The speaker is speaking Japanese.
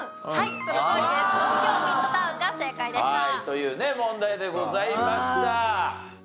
というね問題でございました。